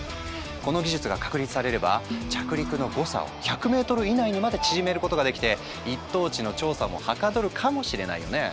この技術が確立されれば着陸の誤差を１００ｍ以内にまで縮めることができて一等地の調査もはかどるかもしれないよね。